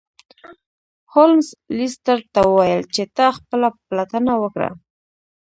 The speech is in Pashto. هولمز لیسټرډ ته وویل چې ته خپله پلټنه وکړه.